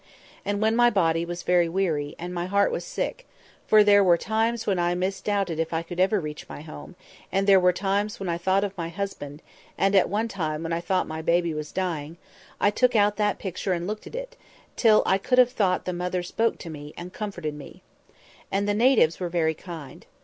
And when my body was very weary, and my heart was sick (for there were times when I misdoubted if I could ever reach my home, and there were times when I thought of my husband, and one time when I thought my baby was dying), I took out that picture and looked at it, till I could have thought the mother spoke to me, and comforted me. And the natives were very kind.